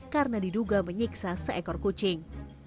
karena diduga menyiksa seekor kucing